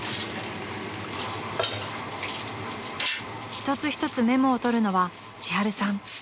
［一つ一つメモを取るのはちはるさん］